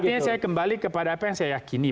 artinya saya kembali kepada apa yang saya yakini